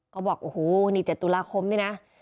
บอกโอ้โหนี่๗ตุลาคมนี่นะ